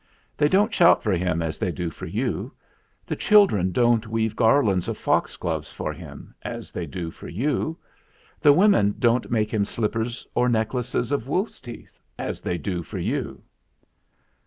They don't shout for him as they do for you. The children don't weave garlands of foxgloves for him as they do for you. The women don't make him slippers or necklaces of wolf's teeth, as they do for you."